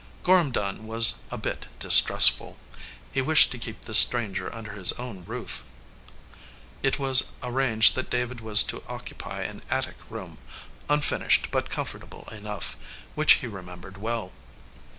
Gorham Dunn was a bit distrustful. He wished to keep this stranger under his own roof. It was "A RETREAT TO THE GOAL" arranged that David was to occupy an attic room, unfinished but comfortable enough, which he re membered well.